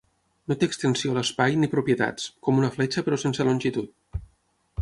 No té extensió a l'espai ni propietats, com una fletxa però sense longitud.